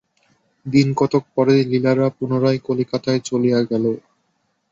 দিনকতক পরেই লীলারা পুনরায় কলিকাতায় চলিয়া গেল।